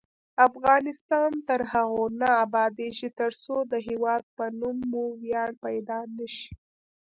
افغانستان تر هغو نه ابادیږي، ترڅو د هیواد په نوم مو ویاړ پیدا نشي.